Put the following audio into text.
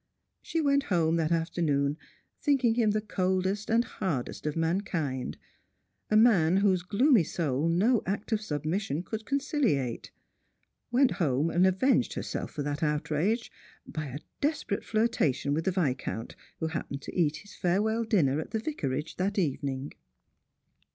She went home that after noon thinking him the coldest and hardest of mankind — a man whose gloomy soul no act of submission could conciliate ; went home and avenged herself for that outrage by a desperate flirtation with the Viscount, who happened to eat his farewell dinner at the Vicarage that evening.